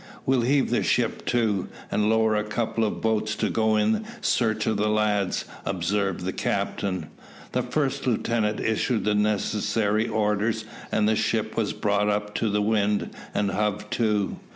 "Well heave the ship to, and lower a couple of boats to go in search of the lads," observed the captain. The first lieutenant issued the necessary orders, and the ship was brought up to the wind and hove to.